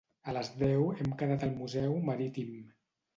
A les deu hem quedat al Museu Marítim.